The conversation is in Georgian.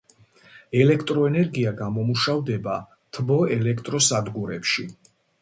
ელექტროენერგია გამომუშავდება თბოელექტროსადგურებში.